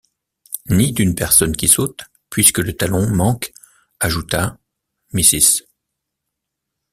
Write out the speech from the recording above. Ni d’une personne qui saute, puisque le talon manque, ajouta Mrs.